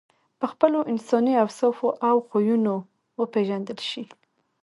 په خپلو انساني اوصافو او خویونو وپېژندل شې.